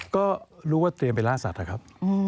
ก็รู้ว่าเตรียมไปล่าสัตว์นะครับ